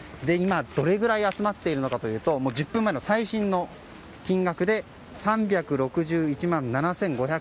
今、どれくらい集まっているのかというと１０分前の最新の金額で３６１万７５００円。